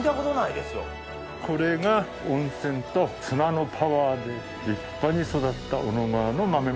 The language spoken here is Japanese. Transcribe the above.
これが温泉と砂のパワーで立派に育った小野川の豆もやし。